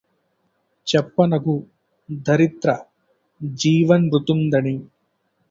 చెప్పనగు ధరిత్ర జీవన్మృతుం డని